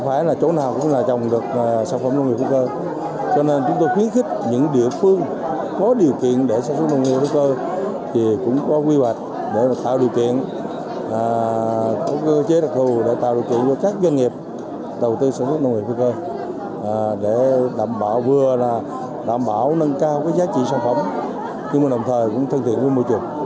bảo nâng cao cái giá trị sản phẩm nhưng mà đồng thời cũng thân thiện với môi trường